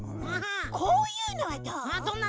こういうのはどう？